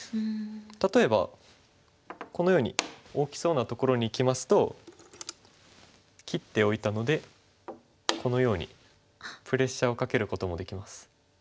例えばこのように大きそうなところにいきますと切っておいたのでこのようにプレッシャーをかけることもできます。